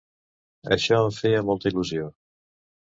Això em feia molta il·lusió.